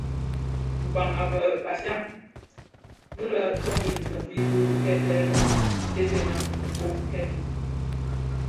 Kpag a bheg Bafia mbiň bè toňi dhifombi di kibèè löň itèfèna kifög kèèkin,